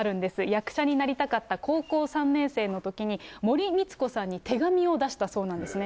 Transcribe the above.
役者になりたかった高校３年生のときに、森光子さんに手紙を出したそうなんですね。